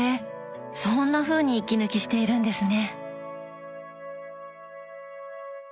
そんなふうに息抜きしているんですね。